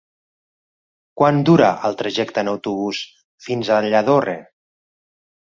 Quant dura el trajecte en autobús fins a Lladorre?